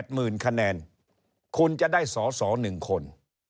หมื่นคะแนนคุณจะได้สอสอ๑คน